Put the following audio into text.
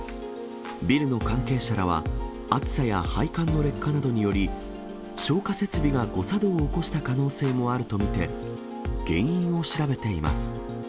ビルの関係者らは、暑さや配管の劣化などにより、消火設備が誤作動を起こした可能性もあると見て、原因を調べています。